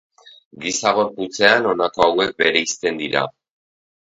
Giza gorputzean honako hauek bereizten dira.